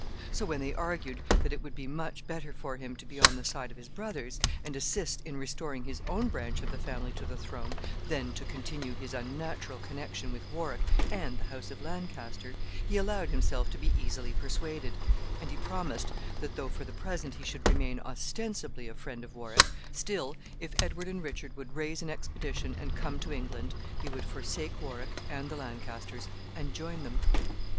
So, when they argued that it would be much better for him to be on the side of his brothers, and assist in restoring his own branch of the family to the throne, than to continue his unnatural connection with Warwick and the house of Lancaster, he allowed himself to be easily persuaded, and he promised that though, for the present, he should remain ostensibly a friend of Warwick, still, if Edward and Richard would raise an expedition and come to England, he would forsake Warwick and the Lancasters, and join them.